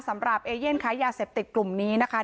สำหรับเอเย่นขายยาเสพติดกลุ่มนี้นะคะ